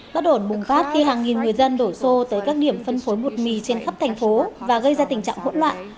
bất ổn bùng phát khi hàng nghìn người dân đổ xô tới các điểm phân phối bột mì trên khắp thành phố và gây ra tình trạng hỗn loạn